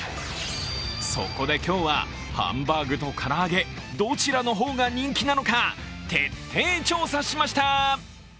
そこで今日はハンバーグとから揚げ、どちらの方が人気なのか、徹底調査しました。